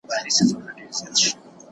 جرئت د سرتیري د ژوندي پاتې کیدو لاره ده.